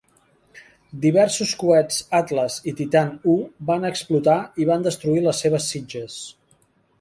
Diversos coets Atlas i Titan I van explotar i van destruir les seves sitges.